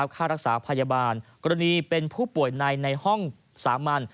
ค่ารักษาพยาบาลกรณีเป็นผู้ป่วยในในห้องสามัญ